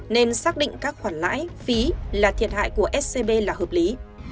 nên xác định các khoản lãi phí là thiệt hại của scb là hợp lý